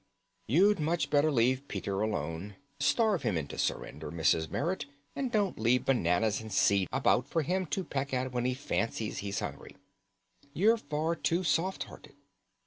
"You'd much better leave Peter alone. Starve him into surrender, Mrs. Merrit, and don't leave bananas and seed about for him to peck at when he fancies he's hungry. You're far too softhearted."